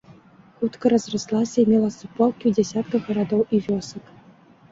Хутка разраслася і мела суполкі ў дзясятках гарадоў і вёсак.